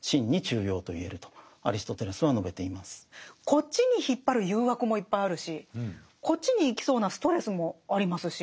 こっちに引っ張る誘惑もいっぱいあるしこっちに行きそうなストレスもありますし。